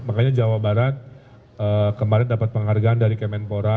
makanya jawa barat kemarin dapat penghargaan dari kemenpora